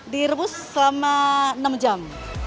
direbus selama enam jam